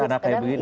anak kayak begini